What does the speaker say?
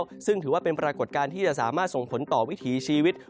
ซึ่งถือว่าเป็นปรากฏการณ์ที่จะสามารถส่งผลต่อวิถีชีวิต